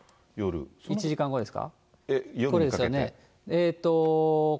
１時間後ですか。